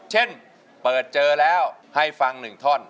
เช่นเปิดเจอแล้วให้ฟัง๑ท่อน